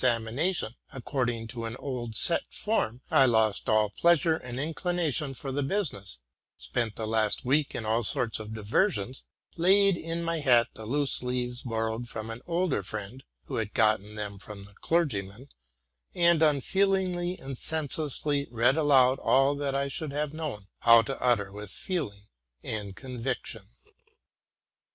243 amination according to an old set form, I lost all pleasure and inclination for the business, spent the last week in all sorts of diversions, laid in my hat the loose leaves borrowed from an older friend, who had gotten them from the clergy man, and unfeelingly and senselessly read aloud all that IJ should have known how to utter with feeling and conviction.